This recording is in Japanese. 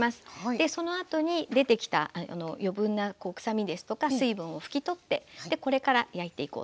でそのあとに出てきた余分な臭みですとか水分を拭き取ってこれから焼いていこうと思います。